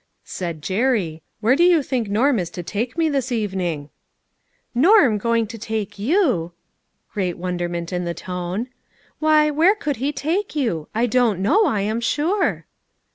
Said Jerry, " Where do you think Norm is to take me this evening?" " Norm going to take you !" great wonder ment in the tone. " Why, where could he take you? I don't know, I am sure."